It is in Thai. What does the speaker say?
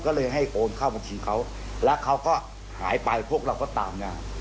ก็เลยให้โอนเข้าบัญชีเขาแล้วเขาก็หายไปพวกเราก็ตามมา